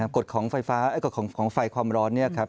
กฎของฝ่ายฟ้าเอ่ยกฎของฝ่ายความร้อนเนี่ยครับ